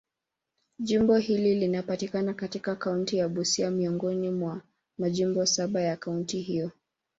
Jimbo hili linapatikana katika kaunti ya Busia, miongoni mwa majimbo saba ya kaunti hiyo.